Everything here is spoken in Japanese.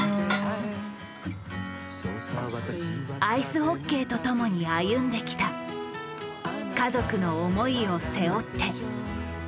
アイスホッケーとともに歩んできた家族の思いを背負って。